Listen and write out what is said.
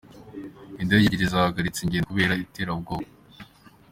Indege ebyiri zahagaritse ingendo kubera iterabwoba